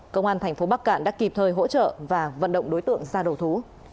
công an thành phố bắc cạn đã kịp thời hỗ trợ và vận động đối tượng ra đầu thú